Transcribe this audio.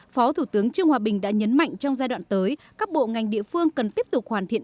phó thủ tướng trương hòa bình đã nhấn mạnh trong giai đoạn tới các bộ ngành địa phương cần tiếp tục hoàn thiện